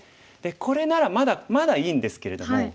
これならまだまだいいんですけれども。